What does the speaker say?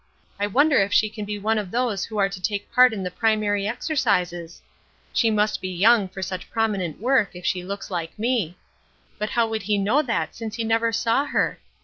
I wonder if she can be one of those who are to take part in the primary exercises? She must be young for such prominent work if she looks like me; but how could he know that since he never saw her?